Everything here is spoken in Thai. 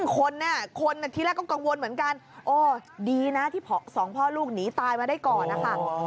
คนที่แรกก็กังวลเหมือนกันโอ้ดีนะที่๒พ่อลูกหนีตายมาได้ก่อนนะคะ